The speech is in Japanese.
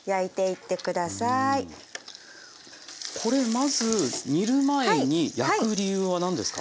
これまず煮る前に焼く理由は何ですか？